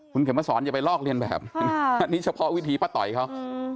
คุณเข็มมาสอนอย่าไปลอกเรียนแบบอันนี้เฉพาะวิธีป้าต๋อยเขา